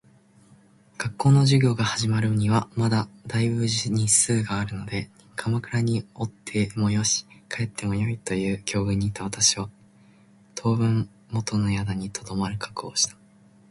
学校の授業が始まるにはまだ大分日数があるので鎌倉におってもよし、帰ってもよいという境遇にいた私は、当分元の宿に留まる覚悟をした。